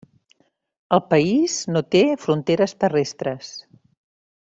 El país no té fronteres terrestres.